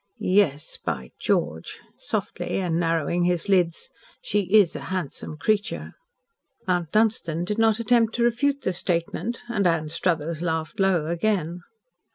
Yes, by George," softly, and narrowing his lids, "she IS a handsome creature." Mount Dunstan did not attempt to refute the statement, and Anstruthers laughed low again.